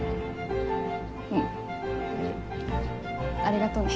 うん。ありがとね。